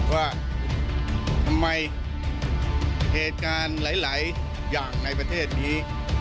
ว่าทำไมเหตุการณ์หลายอย่างในประเทศนี้